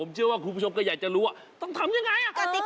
มอเตอร์ไซด์คุณดูสิหวยมาก